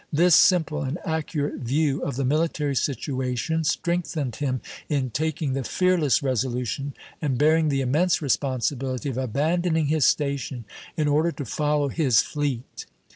This simple and accurate view of the military situation strengthened him in taking the fearless resolution and bearing the immense responsibility of abandoning his station in order to follow "his fleet."